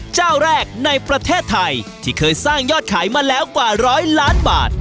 เจ้าแรกในประเทศไทยที่เคยสร้างยอดขายมาแล้วกว่าร้อยล้านบาท